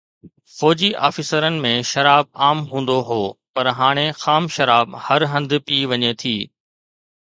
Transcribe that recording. فوجي آفيسرن ۾ شراب عام هوندو هو، پر هاڻي خام شراب هر هنڌ پيئي وڃي ٿي